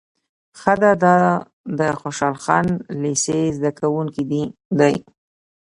شه دا د خوشحال خان لېسې زده کوونکی دی.